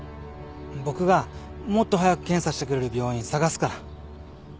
僕がもっと早く検査してくれる病院探すから。